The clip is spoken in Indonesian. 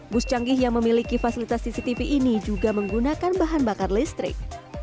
bus canggih yang memiliki fasilitas cctv ini juga menggunakan bahan bakar listrik